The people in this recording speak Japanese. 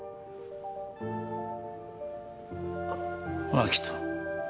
明人。